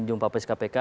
jumpa pesis kpk